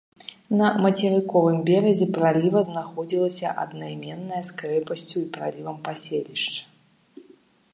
На мацерыковым беразе праліва знаходзілася аднайменнае з крэпасцю і пралівам паселішча.